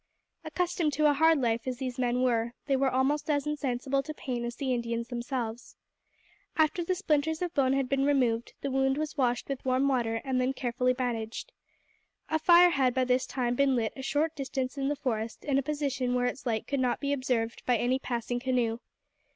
Accustomed to a hard life as these men were, they were almost as insensible to pain as the Indians themselves. After the splinters of bone had been removed, the wound was washed with warm water and then carefully bandaged. A fire had by this time been lit a short distance in the forest in a position where its light could not be observed by any passing canoe.